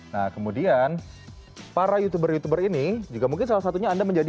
nah kemudian para youtuber youtuber ini juga mungkin salah satunya anda menjadi